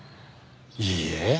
いいえ。